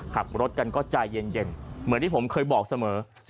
ขับรถกันก็ใจเย็นเหมือนที่ผมเคยบอกเสมอ